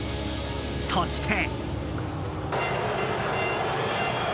そして。